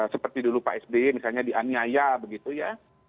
seperti dulu pak sd misalnya di anayaya begitu ya